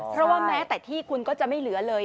เพราะว่าแม้แต่ที่คุณก็จะไม่เหลือเลย